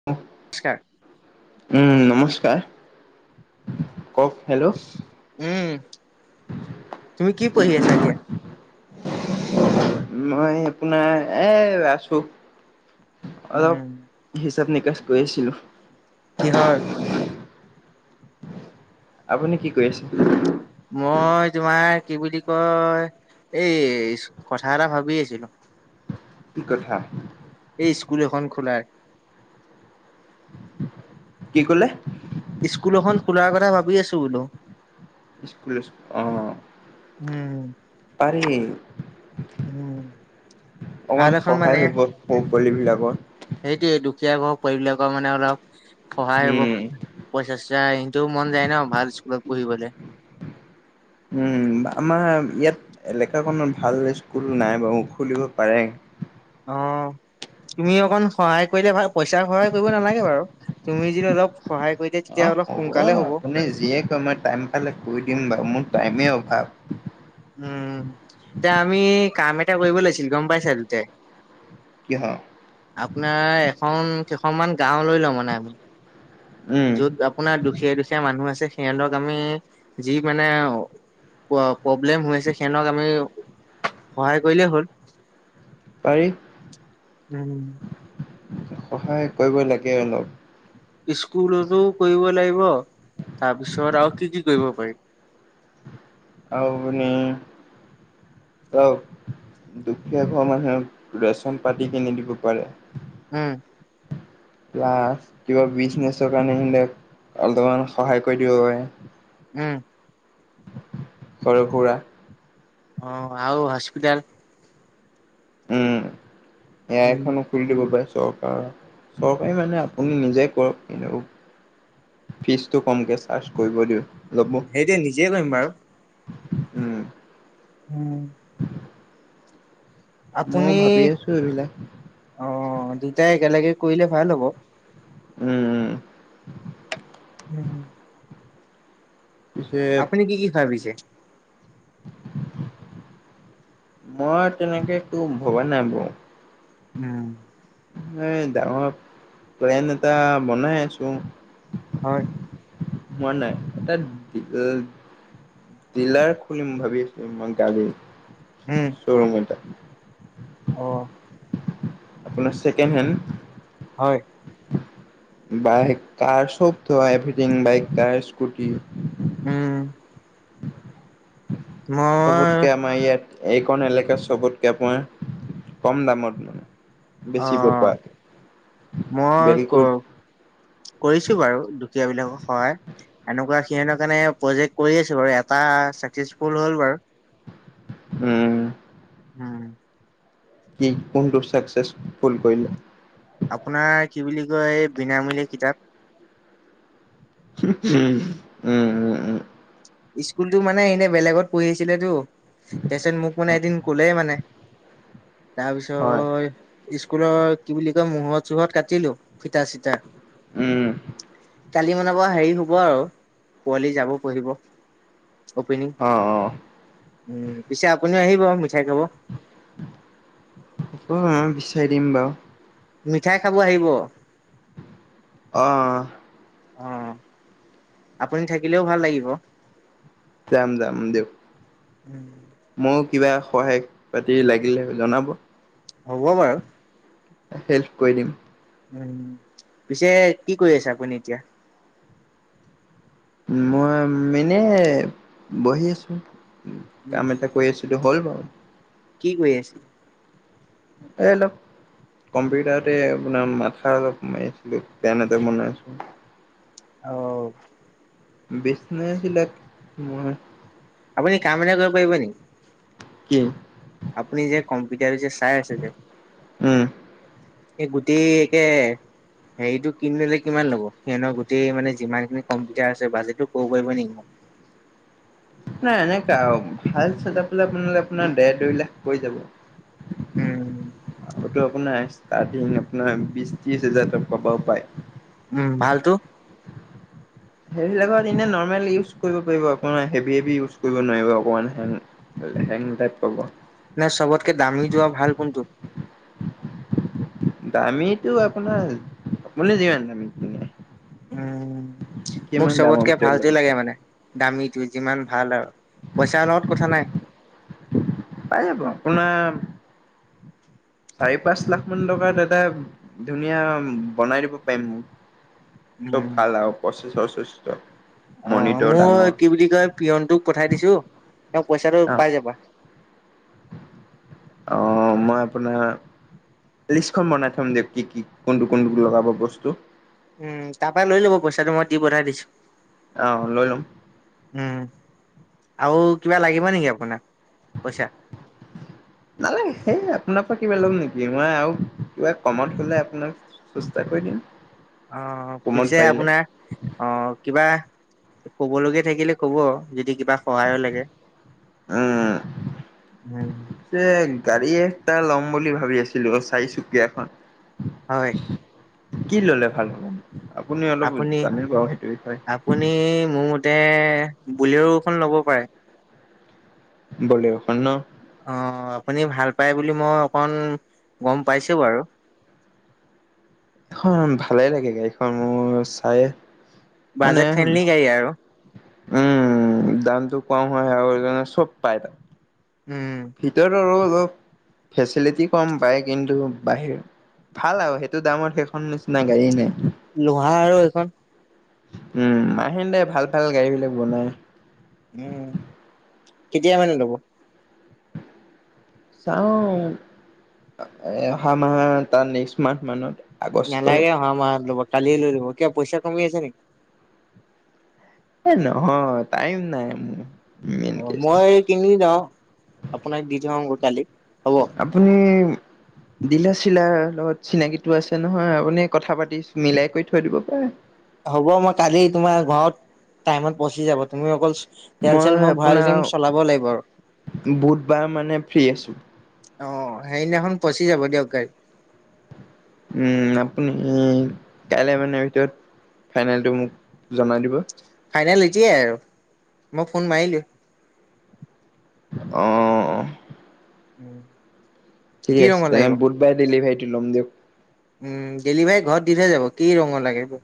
[unintelligible] [unintelligible] উম' নমস্কাৰ কওক হেল্ল উম তুমি কি পঢ়ি আছা এতিয়া? [unintelligible] মই আপোনাৰ এ' আছো। উম অলপ হিচাপ নিকাস কৰি আছিলো। কিহৰ? আপুনি কি কৰি আছে। মই তোমাৰ কি বুলি কয় এই কথা এটা ভাবি আছিলো। কি কথা? এই স্কুল এখন খোলাৰ। কি কলে? স্কুল এখন খোলাৰ কথা ভাবি আছো বোলো। [unintelligible] অ'। উম। পাৰি, উম ভাল অকণমান এখন সহায় হব। সৰু পোৱালি বিলাকৰ। সেইটোয়ে দুখীয়া ঘৰৰ পোৱালি বিলাকৰ মানে অলপ সহায় হ'ব। উম পইচা চইচা এহঁতৰো মন যায় ন' ভাল স্কুলত পঢ়িবলৈ। উম আমাৰ ইয়াত এলেকাখনত ভাল স্কুল নাই বাৰু খুলিব পাৰে। অ'। তুমি অকণ সহায় কৰিলে ভাল পইচা সহায় কৰিব নালাগে বাৰু তুমি যদি অলপ সহায় কৰি দিয়া তেতিয়া অলপ সোনকালে হ'ব। যীয়ে এক অ'মই টাইম পালে কৈ দিম বাৰু মোৰ টাইমে অভাৱ। উম তে আমি কাম এটা কৰিব লাগিছিল গম পাই চা দুটাই কিহৰ। আপোনাৰ এখন কেইখনমান গাঁও লৈ লওঁ মানে আমি। উম যত আপোনাৰ দুখীয়া দুখীয়া মানুহ আছে সিহঁতক আমি যি মানে। প্ৰব্লেম হৈ‌ আছে সিহঁতক আমি সহায় কৰিলেই হ'ল। পাৰি। উম। সহায় কৰিব লাগে অলপ। স্কুলতো কৰিব লাগিব। তাৰপিছত আৰু কি কি কৰিব পাৰি? [inaudible] দুখীয়া ঘৰ মানুহে ৰেচন পাতি কিনি দিব পাৰে। উম।। কিবা বিজনেচৰ কাৰণে সিহঁতক অলপমান সহায় কৰি দিব পাৰে। উম।। সৰু সুৰা। অ আৰু হস্পিতাল। উম।। এয়া উম, এখনো, খুলি দিব পাৰে। চৰকাৰ চৰকাৰী মানে আপুনি নিজে কৰক কিন্তু? ফিজটো কমকে চাৰ্জ কৰিব দিয়ক ল'ব। এতিয়া নিজেই কৰিম বাৰু।। উম। উম।। মই আপুনি ভাবি আছো এইবিলাক অ দুটাই একেলগে কৰিলে ভাল হ'ব। উম উম।। উম। হুম।। পিছে আপুনি কি কি খাই পিছে। মই তেনেকে একো ভবা নাই বাৰু। উম। এ ডাঙৰ প্লেন এটা বনাই আছো। হয়। [inaudible] দিলাৰ খুুলিম ভাবিচো গাড়ীৰ। উম। ৰূম এটা। অ। আপোনাৰ ছেকেণ্ড হেণ্ড। হয়। বাইক কাৰ চবটো এভিথিং বাইক কাৰ স্কুটি। উম। ম চবতকে আমাৰ ইয়াত এইখন এলেকা চবতকে অকণমান কম দামত। অ। বেচিব পৰাকে মই ক' বেলকুত কৰিছো বাৰু দুখীয়া বিলাকক সহায়। এনেকুৱা সিহঁতৰ কাৰণে প্ৰজেক্ট কৰি আছো বাৰু এটা চাকচেচফুল হ'ল বাৰু। উম। উম' কি কোনটো চাকচেচফুল কৰিলে? আপোনাৰ কি বুলি কয় এই বিনামূলীয়া কিতাপ। উম উম' উম। উম স্কুলতো মানে এনেই বেলেগত পঢ়ি আছিলেটো' তাৰপিছত মোক মানে এদিন কলে মানে' হয় তাৰপিছত স্কুলৰ কি বুলি কয় মুহৰত-চোহত কাটিলো ফিটা চিটা। উম। কালি মান পৰা হেৰি হব আৰু পোৱালি যাব' কৈদিব। অপেনিং, অ অ উম পিছে আপুনিও আহিব মিঠাই খাব। উম বিচাৰি দিম বাৰু। মিঠাই খাব আহিব। অ অ আপুনি থাকিলেও ভাল লাগিব। যাম যাম দিওক। উম' ময়ো কিবা সহায় পাতি লাগিলে জনাব। হ'ব বাৰু। হেল্প কৰি দিম। উ পিছে কি কৰি আছে আপুনি এতিয়া? মই এনেই বহি আছো, কাম উম, এটা কৰি আছো। সেইটো হ'য় বাৰু। কি কৰি আছিলি? এই ল' কম্পিউটাৰতে আপোনাৰ মাথা অলপ মাৰিছিলো, পেন এটা বনাইছো। অ [inaudible] আপুনি কাম এটা কৰিব পাৰিব নেকি? কি? আপুনি যে কম্পিউটাৰ যে চাই আছে যে। উম এই গোটেই একে হেৰিটো কিনিলে কিমান ল'ব? সিহঁতৰ গোটেই মানে যিমানখিনি কম্পিউটাৰ আছে বাজেটটো ক'ব পাৰিব নেকি মোক। নাই এনেকুৱা আৰু ভাল চেট আপ এটা বনালে আপোনাৰ দেৰ দুই লাখ পৰি যাব। উম। আৰু আপোনাৰ ষ্টাৰ্টিং আপোনাৰ বিশ ত্ৰিশ হাজাৰ টকা পৰাও পায়। উম, ভালতো? হেৰিবিলাকত এনে নৰ্মেল ইউজ কৰিব পাৰিব আপোনাৰ হেভি হেভি ইউজ কৰিব নোৱাৰিব অকমান লেহেং টাইপ পাব। নে চবতকে দামীটো আৰু ভাল কোনটো? দামীটো আপোনাৰ আপুনি যিমান দামী। কিনে উম, মোক কিমান দামৰ চবতকে ভিতৰত ভালটোৱে লাগে মানে। দামীটো যিমান ভাল আৰু পইচাৰ লগত কথা নাই। পাই যাব আপোনাৰ চাৰি পাঁচ লাখ মান টকাত এটা ধুনীয়া বনাই দিব পাৰিম। চব উম, ভাল আৰু প্ৰচ্চেছৰ চচ্চেছৰ। অ', মোৰ কি বুলি কয় পিয়নটোক পঠাই দিছো তেওঁ পইচাটো অ পাই যাবা। অ', মই আপোনাৰ লিষ্টখন বনাই থম দিয়ক কি কি কোনটো কোনটো লগাব বস্তু। উম, তাৰ পৰা লৈ ল'ব পইচাটো মই দি পঠাই দিছো। অ', লৈ ল'ম। উম, আৰু কিবা লাগিব নেকি আপোনাক পইচা? নালাগে সেই আপোনাৰ পৰা কিবা ল'ম নেকি মই আৰু কিবা কমত ক'লে আপোনাক [unintelligible] কৈ দিম। অ', কমত পিছে পাৰিলে আপোনাৰ অ' কিবা ক'ব লগীয়া থাকিলে ক'ব আৰু যদি কিবা সহায়ও লাগে। উম উম। যে গাড়ী এটা ল'ম বুলি ভাবি আছিলো চাৰিচকীয়া এখন। হয়। কি ল'লে ভাল হ'ব? আপুনি অলপ আপুনি জানিব আৰু সেইটো বিষয়ে। আপুনি মোৰ মতে ব'লেৰ এখন ল'ব পাৰে। ব'লেৰ এখন ন? অ', আপুনি ভাল পায় বুলি মই অকণমান গম পাইছো বাৰু। অ', ভালে লাগে গাড়ীখন মোৰ চাই মানে বাজেট ফ্ৰেণ্ডলি গাড়ী আৰু উম, দামটো কম হয় আৰু সেইটো কাৰণে চব পাই তাত। উম। ভিতৰত আৰু অলপ ফেচিলিটি কম পায় কিন্তু বাহিৰ ভাল আৰু সেইটো দামৰ সেইখন নিচিনা গাড়ী নাই। লোঁহাৰ আৰু এইখন। উম, মাহিন্দ্ৰাই ভাল ভাল গাড়ীবিলাক বনাই। উম, কেতিয়া মানে ল'ব? চাওঁ আৰু অহা মাহ তাৰ নেক্সট মাহ মানত। আগষ্ট নেলাগে অহা মাহত ল'ব কালিয়ে কিয় পইচা কমি আছে নেকি? এ নহয় টাইম নাই মোৰ। মেইন অ', কেছ। মই কিনি যাওঁ আপোনাক দি থওঁ কালি, হ'ব। আপুনি দিলাৰ চিলাৰৰ লগত চিনাকিটো আছে নহয় আপুনি কথা পাতি মিলাই কৰি থৈ দিব পাৰে। হ'ব মই কালি তোমাৰ ঘৰত টাইমত পহচি যাব তুমি অকল তেল চেল মই ভৰাই থৈ দিম চলাব লাগিব আৰু। বুধবাৰ মানে ফ্ৰী আছো। অ', সেইদিনাখন পহচি যাব দিয়ক গাড়ী। উম, আপুনি কাইলৈ মানে ভিতৰত ফাইনেলটো মোক জনাই দিব। ফাইনেল হৈছে আৰু মই ফোন মাৰিলোঁ। অহ। উম। ঠিক আছে তেনে বুধবাৰে ডেলিভাৰীটো ল'ম দিয়ক। উম, গেলি ভাই ঘৰত দি থৈ যাব কি ৰঙৰ লাগে ব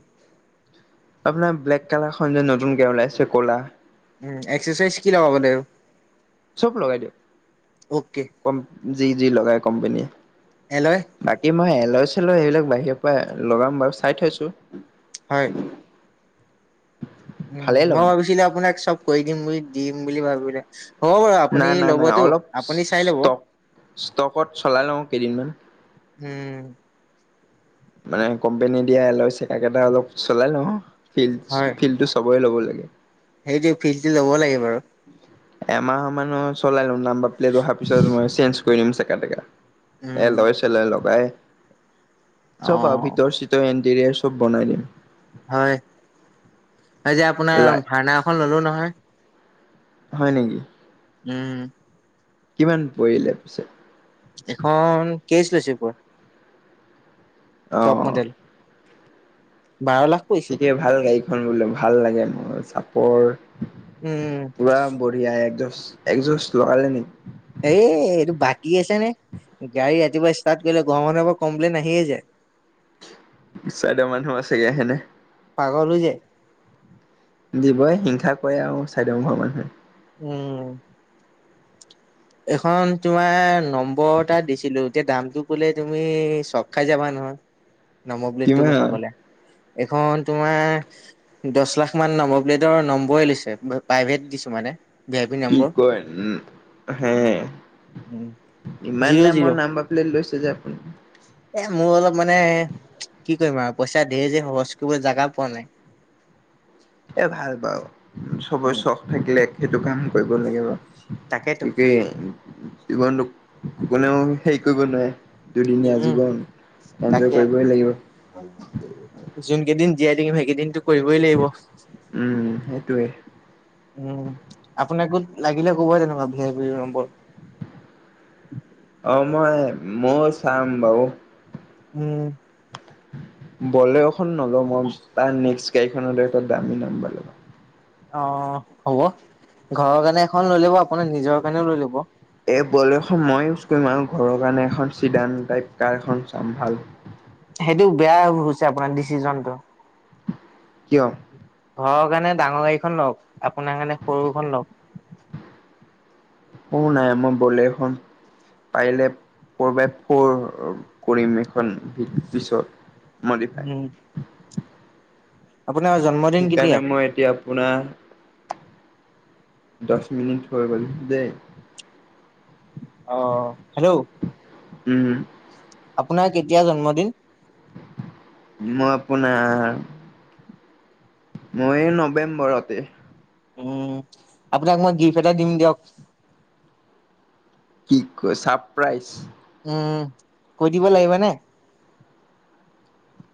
আপোনাৰ ব্লেক কালাৰখনন যে নতুনকে ওলাইছে ক'লা। উম, এক্সাৰচাইজ কি লগাব লাগিব? চব লগাই অকে দিয়ক, যি যি লগাই কোম্পেনীয়ে। এল'ই। বাকী মই এল'য় চেল'য় এইবিলাক বাহিৰৰ পৰা লগাম বাৰু চাই থৈছো। হয়। উম, ভালেই মই লগাম ভাবিছিলো আপোনাক চব কৰি দিম বুলি দিম বুলি ভাবিলে। হ'ব বাৰু আপুনি নাই নাই নাই ল'বতো, অলপ আপুনি চাই ল'ব। ষ্টক ষ্টকত চলাই লওঁ কেইদিনমান। উম। মানে কোম্পনী দিয়া এল'য় চ কেইটা অলপ চলাই লওঁ ফিল হয় ফিলটো চবৰে ল'ব লাগে। সেইটোৱে ফিল চিল ল'ব লাগে বাৰু। এমাহ মানৰ চলাই লম নামবাৰ প্লেট অহাৰ পিছত মই চেঞ্জ কৰি দিম, [unintelligible] উম, এল'য় চেল'য় লগাই চব আৰু অ', ভিতৰ চিত এণ্টেৰিয়াৰ চব বনাই দিম। হয়, হয় যে আপোনাৰ লাই ভাৰনা এখন ল'লো নহয়। হয় নেকি? উম। কিমান পৰিলে পিছত? এখন কেইছ লৈছে পৰা। অ টপ মডেল। বাৰ লাখ পৰিছে ঠিকে ভাল গাড়ীখন বোলো ভাল লাগে মোৰ চাপৰ উম, পুৰা বঢ়িয়া একজো একজোজ লগালে নেকি? এই এইটো বাকী আছে নে গাড়ী ৰাতিপুৱা ষ্টাৰ্ট কৰিলে ঘৰৰ মানুহৰ পৰা কমপ্লেইন আহিয়েই যায়। চাইদৰ মানুহ আছেগে হয়নে। পাগল হৈ যায়। দিবই হিংসা কৰে আৰু চাইদৰ ঘৰৰ মানুহে। উম। এখন তোমাৰ নম্বৰ এটা দিছিলো এতিয়া দামটো ক'লে তুমি চক খাই যাবা নহয়। [inaudible] নম্বৰ প্লেটটো কিমান মোৰ চাবলে, এইখন তোমাৰ দছ লাখ মান নম্বৰ প্লেটৰ নম্বৰে লৈছে প্ৰাইভেট দিছোঁ মানে। ভি আই পি কি নম্বৰ। কয় উম, হে, ইমান জিৰ' দামৰ জিৰ' নাম্ব প্লেট লৈছে যে আপুনি? এ মোৰ অলপ মানে, কি কৰিম আৰু পইচা ঢেৰ যে খৰচ কৰিবলৈ জাগা পোৱা নাই। এ ভাল বাৰু, চবৰে উম চখ থাকিলে সেইটো কাম কৰিব লাগিব, [unintelligible] তাকেতো জীৱনটোক, কোনেও হেৰি কৰিব নোৱাৰে। দুদিনীয়া উম। জীৱন, এঞ্জয় তাকে কৰিবই লাগিব। যোন কেইদিন জীয়াই থাকিম সেইকেইদিনটো কৰিবই লাগিব। উম, সেইটোৱে। উম, আপোনাকো লাগিলে ক'ব তেনেকুৱা ভিয়াই পি নম্বৰ। অ', মই মইয়ো চাম বাৰু। উম, বলেৰোখন নলও মই তাৰ নেক্স গাড়ীখন হ'লে এটা দামী নম্বৰ লগাম। অ', হ'ব, ঘৰৰ কাৰণে এখন লৈ ল'ব আপোনাৰ নিজৰ কাৰণেও লৈ ল'ব। এই বলেৰোখন মই ইউজ কৰিম আৰু ঘৰৰ কাৰণে এখন চিডান টাইপ কাৰ এখন চাম ভাল। সেইটো বেয়া হৈছে আপোনাৰ ডিচিচনটো। কিয়? ঘৰৰ কাৰণে ডাঙৰ গাড়ীখন লওঁক, আপোনাৰ কাৰণে সৰুখন লওঁক। সৰু নাই মই বোলেৰোখন পাৰিলে ফ'ৰ বাই ফ'ৰ, কৰিম এইখন। উম পিছত, মডিফাই। উম আপোনাৰ জন্ম সেইকাৰণে মই এতিয়া পোনাৰ, দছ মিনিট হৈ গ'ল দে। অ', হেল্ল' উম, হুম, আপোনাৰ কেতিয়া জন্মদিন? মই আপোনাৰ মই নৱেম্বৰতে। উম, আপোনাক মই গিফ্ট এটা দিম দিয়ক। কি কয় ছাপপ্ৰাইজ। উম, কৈ দিব লাগিবনে?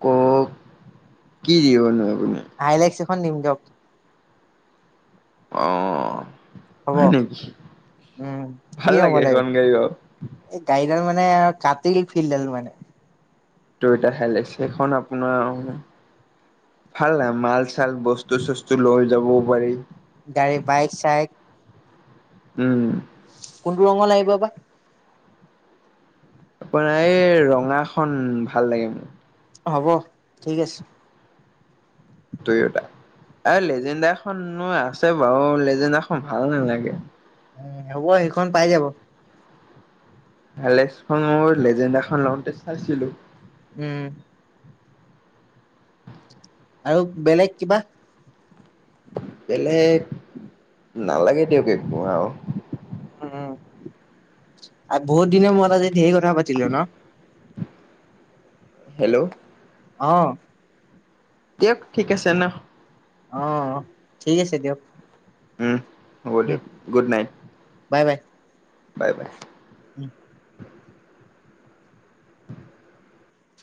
কওঁক, কি দিবনো আপুনি? আইলেক্স এখন দিম দিয়ক। অ', হ'ব হয় নেকি, উম কি ভাল লাগে ৰঙৰ লাগিব? সেইখন গাড়ী বাউ। এই গাড়ীডাল মানে কাতিল ফিল্ডাল মানে। টো এতিয়া হেইলাইক্স এইখন আপোনাৰ অ, ভাল লাগে মাল-চাল বস্তু-চস্তু লৈ যাব পাৰি। গাড়ী, বাইক চাইক উম, কোনটো ৰঙৰ লাগিব বা? আপোনাৰ এই, ৰঙাখন ভাল লাগে মোক। হ'ব ঠিক আছে। দুয়োটা এই লেজেণ্ডা খনো আছে বাৰু লেজেণ্ডা খন ভাল নেলাগে। উম হ'ব সেইখন পাই যাব। ভালেস্খন মোৰ লেজেণ্ডাখন লওঁতে চাইছিলোঁ। উম। আৰু বেলেগ কিবা? বেলেগ নালাগে দিয়ক একো আৰু। হুম আ বহুত দিনৰ মূৰত আজি ঢেৰ কথা পাতিলোঁ ন? হেল্ল'। অ'। দিয়ক ঠিক আছে ন অ', অ', ঠিক আছে দিয়ক। উম, হ'ব উম, দিয়ক গুট night. Bye bye. Bye bye. উম।